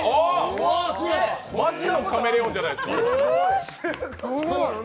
マジのカメレオンじゃないですか。